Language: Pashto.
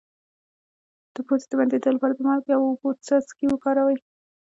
د پوزې د بندیدو لپاره د مالګې او اوبو څاڅکي وکاروئ